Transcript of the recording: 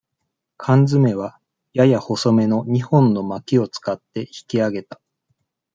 かん詰めは、やや細めの二本のまきを使って引きあげた。